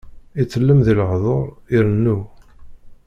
Itellem di lehduṛ, irennu.